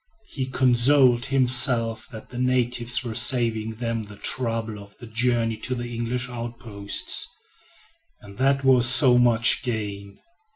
He consoled himself that the natives were saving them the trouble of the journey to the English outposts, and that was so much gain.